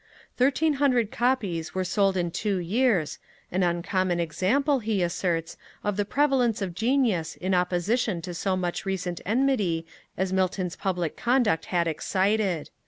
Thirteen hundred Copies were sold in two years, an uncommon example, he asserts, of the prevalence of genius in opposition to so much recent enmity as Milton's public conduct had excited.